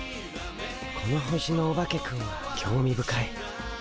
この星のオバケくんは興味深い。